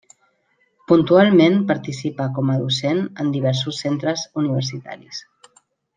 Puntualment participa com a docent en diversos centres universitaris.